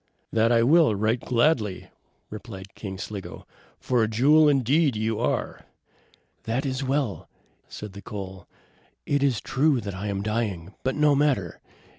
"That will I, right gladly!" replied King Sligo, "for a jewel indeed you are." "That is well!" said the coal. "It is true that I am dying; but no matter.